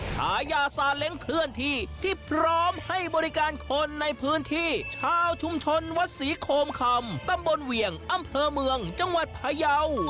ขายาซาเล้งเคลื่อนที่ที่พร้อมให้บริการคนในพื้นที่ชาวชุมชนวัดศรีโคมคำตำบลเวียงอำเภอเมืองจังหวัดพยาว